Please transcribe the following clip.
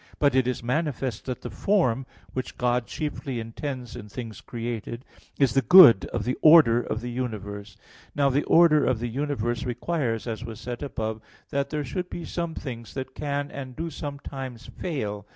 But it is manifest that the form which God chiefly intends in things created is the good of the order of the universe. Now, the order of the universe requires, as was said above (Q. 22, A. 2, ad 2; Q. 48, A. 2), that there should be some things that can, and do sometimes, fail.